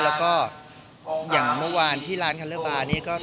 แล้วก็อย่างเมื่อวานที่ร้านคันเรือบานนี้